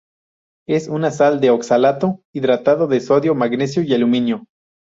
Es una sal de oxalato hidratado de sodio, magnesio y aluminio.